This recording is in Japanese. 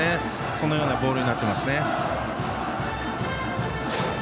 そんなようなボールになってます。